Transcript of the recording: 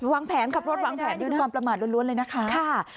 วางแผนค่ะรถวางแผนด้วยน่ะ